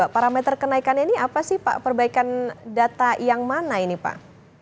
parameter kenaikan ini apa sih pak perbaikan data yang mana ini pak